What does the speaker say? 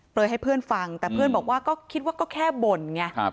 ให้เพื่อนฟังแต่เพื่อนบอกว่าก็คิดว่าก็แค่บ่นไง